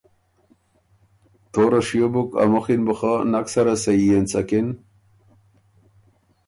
توره شیو بُک ا مُخي ن بو خه نک سره سھی اېنڅکِن